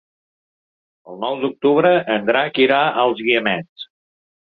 El nou d'octubre en Drac irà als Guiamets.